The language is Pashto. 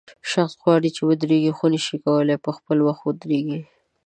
شخص غواړي چې ودرېږي خو نشي کولای په خپل وخت ودرېږي.